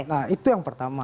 nah itu yang pertama